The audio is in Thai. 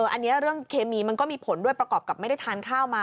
อันนี้เรื่องเคมีมันก็มีผลด้วยประกอบกับไม่ได้ทานข้าวมา